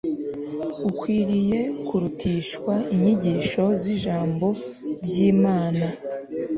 ikwiriye kurutishwa inyigisho zIjambo ryImana